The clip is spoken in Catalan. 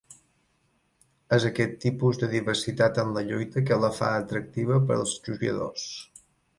És aquest tipus de diversitat en la lluita que la fa atractiva per als jugadors.